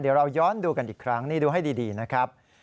เดี๋ยวเราย้อนดูกันอีกครั้งนี่ดูให้ดีนะครับ